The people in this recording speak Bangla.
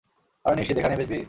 আরে নিশ্চিত, এখানেই বেচবি?